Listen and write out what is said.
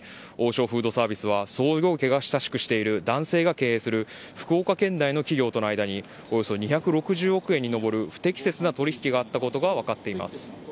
王将フードサービスは創業家が親しくしている男性が経営している福岡県内の企業との間におよそ２６０億円に上る不適切な取引があったことが分かっています。